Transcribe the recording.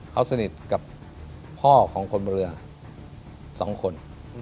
เขาสนิทกับพ่อของคนบริเวณสองคน